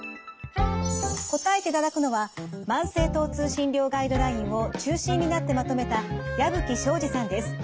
答えていただくのは慢性疼痛診療ガイドラインを中心になってまとめた矢吹省司さんです。